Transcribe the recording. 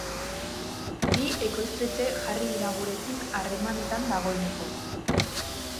Bi ekoiztetxe jarri dira gurekin harremanetan dagoeneko.